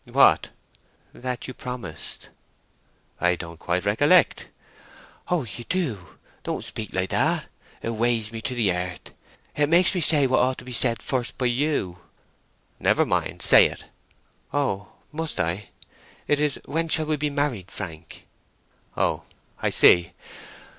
"What?" "That you promised." "I don't quite recollect." "O you do! Don't speak like that. It weighs me to the earth. It makes me say what ought to be said first by you." "Never mind—say it." "O, must I?—it is, when shall we be married, Frank?" "Oh, I see.